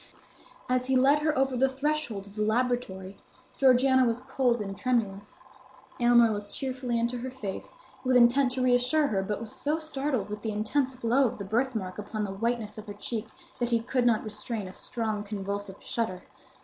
As he led her over the threshold of the laboratory, Georgiana was cold and tremulous. Aylmer looked cheerfully into her face, with intent to reassure her, but was so startled with the intense glow of the birthmark upon the whiteness of her cheek that he could not restrain a strong convulsive shudder.